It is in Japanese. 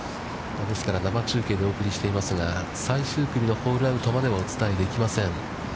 ですから、生中継でお送りしていますが、最終組のホールアウトまでお伝えできません。